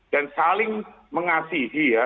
dan saling mengasihi ya